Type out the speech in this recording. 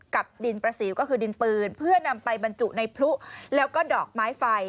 กับดินประสิวก็คือดินปืนเพื่อนำไปบรรจุในพลุแล้วก็ดอกไม้ไฟ